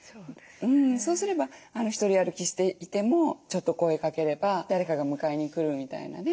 そうすれば独り歩きしていてもちょっと声かければ誰かが迎えに来るみたいなね。